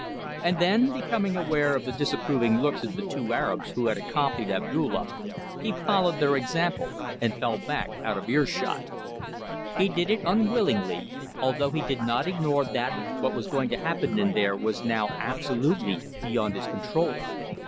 and then, becoming aware of the disapproving looks of the two Arabs who had accompanied Abdulla, he followed their example and fell back out of earshot. He did it unwillingly, although he did not ignore that what was going to happen in there was now absolutely beyond his control.